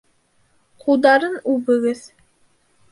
Ҡулдарын үбегеҙ.